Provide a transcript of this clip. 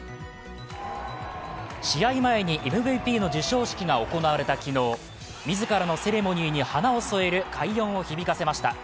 試合前にＭＶＰの授賞式が行われた昨日、自らのセレモニーに花を添える快音を響かせました。